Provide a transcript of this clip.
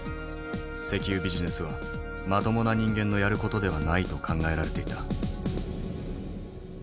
石油ビジネスはまともな人間のやる事ではないと考えられていた。